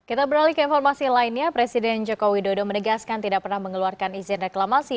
kita beralih ke informasi lainnya presiden joko widodo menegaskan tidak pernah mengeluarkan izin reklamasi